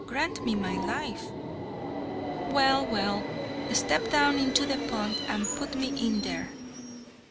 Grant me my life!" "Well, well! step down into the pond, and put me in there."